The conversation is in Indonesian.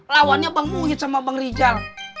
lawannya bang muhid sama bang rijal